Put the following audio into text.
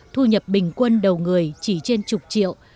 thu nhập bình quân đầu người chỉ trên chục triệu